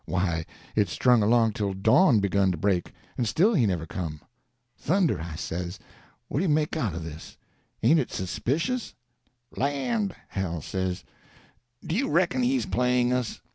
Why, it strung along till dawn begun to break, and still he never come. 'Thunder,' I says, 'what do you make out of this?—ain't it suspicious?' 'Land!' Hal says, 'do you reckon he's playing us?